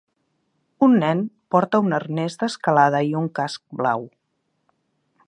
Un nen porta un arnés d'escalada i un casc blau